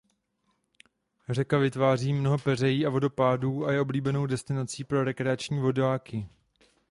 Řeka vytváří mnoho peřejí a vodopádů a je oblíbenou destinací pro rekreační vodáky.